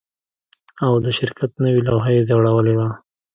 او د شرکت نوې لوحه یې ځړولې وه